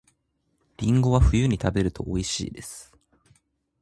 りんごは冬に食べると美味しいです